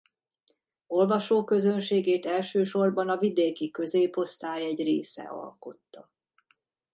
Olvasóközönségét elsősorban a vidéki középosztály egy része alkotta.